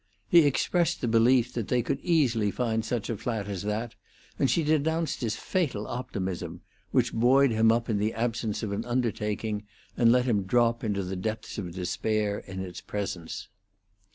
He expressed the belief that they could easily find such a flat as that, and she denounced his fatal optimism, which buoyed him up in the absence of an undertaking and let him drop into the depths of despair in its presence.